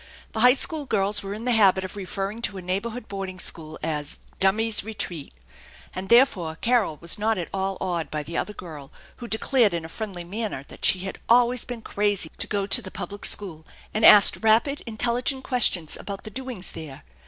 The high school girls were in the habit of referring to a neighboring boarding school as " Dummy's Ketreat "; and therefore Carol was not at all awed by the other girl, who declared in a friendly manner that she had always been crazy to go to the public school, and asked rapid intelligent ques tions about the doings there.